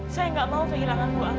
saya gak mau kehilangan ibu aku